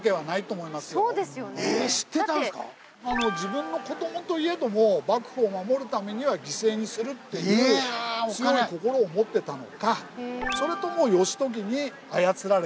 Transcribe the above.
自分の子供といえども幕府を守るためには犠牲にするっていう強い心を持ってたのかそれとも義時に操られていたのか。